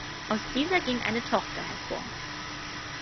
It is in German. Aus dieser ging eine Tochter hervor.